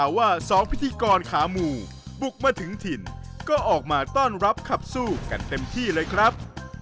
ว่า๒พิธีกรขาหมู่บุกมาถึงถิ่นก็ออกมาต้อนรับขับสู้กันเต็มที่เลยครับ